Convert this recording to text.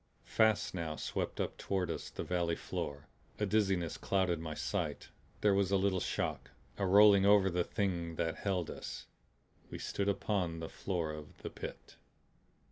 Fast now swept up toward us the valley floor. A dizziness clouded my sight. There was a little shock, a rolling over the Thing that had held us We stood upon the floor of the Pit.